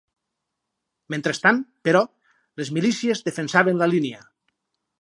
Mentrestant, però, les milícies defensaven la línia